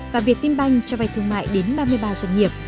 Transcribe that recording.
và việt tim banh cho vay thương mại đến ba mươi ba doanh nghiệp